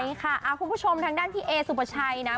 ใช่ค่ะคุณผู้ชมทางด้านพี่เอสุปชัยนะ